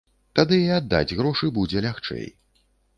Тады і аддаць грошы будзе лягчэй.